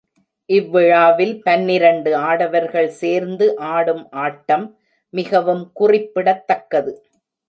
இவ்விழாவில் பன்னிரண்டு ஆடவர்கள் சேர்ந்து ஆடும் ஆட்டம் மிகவும் குறிப்பிடத்தக்கது.